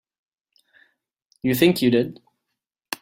You think you did.